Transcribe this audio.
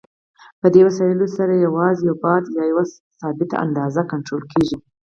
په دې وسایلو سره یوازې یو بعد یا یوه ثابته اندازه کنټرول کېږي.